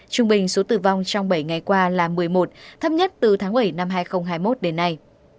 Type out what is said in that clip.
trung bình số tử vong trong bảy ngày qua là một mươi một thấp nhất từ tháng bảy năm hai nghìn hai mươi một đến nay